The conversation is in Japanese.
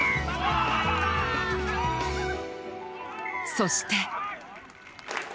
そして。